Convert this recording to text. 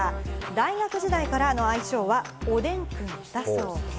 大学時代からの愛称はおでんくんだそうです。